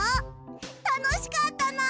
たのしかったな！